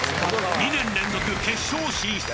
２年連続決勝進出